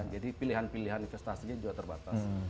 jadi pilihan pilihan investasinya juga terbatas